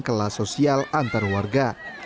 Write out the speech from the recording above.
kelas sosial antar warga